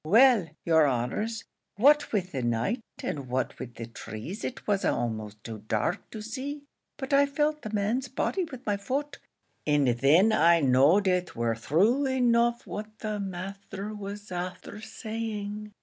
Well, yer honours what with the night, and what wid the trees it was a'most too dark to see; but I felt the man's body with my foot, and then I know'd it war thrue enough what the masther was afther saying.